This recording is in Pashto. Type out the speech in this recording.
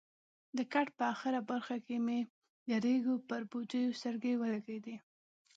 د کټ په اخره برخه کې مې د ریګو پر بوجیو سترګې ولګېدې.